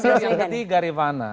saya khawatir yang ketiga rihana